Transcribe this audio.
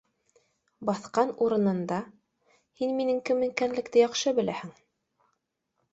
— Баҫҡан урынында, һин минең кем икәнлекте яҡшы беләһең